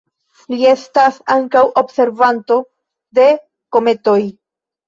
Li estas ankaŭ observanto de kometoj.